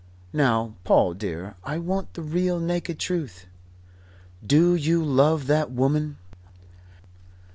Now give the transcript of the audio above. Now, Paul dear, I want the real, naked Truth. Do you love that woman?"